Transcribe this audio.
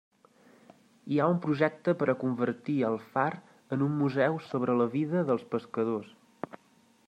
Hi ha un projecte per a convertir el far en un museu sobre la vida dels pescadors.